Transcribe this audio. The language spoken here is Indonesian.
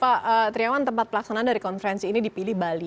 pak triawan tempat pelaksanaan dari konferensi ini dipilih bali